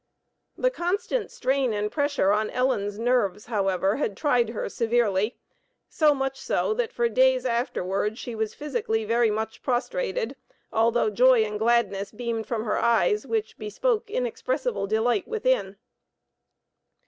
The constant strain and pressure on Ellen's nerves, however, had tried her severely, so much so, that for days afterwards, she was physically very much prostrated, although joy and gladness beamed from her eyes, which bespoke inexpressible delight within.